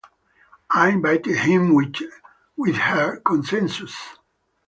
I invited him with her consensus.